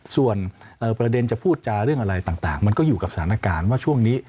ส่วนประเด็นจะพูดจาเรื่องอะไรต่างมันก็อยู่กับสถานการณ์ว่าช่วงนี้